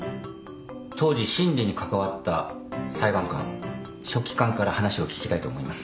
当時審理に関わった裁判官書記官から話を聞きたいと思います。